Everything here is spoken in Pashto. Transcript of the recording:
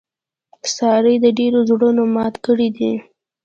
سارې د ډېرو زړونه مات کړي دي.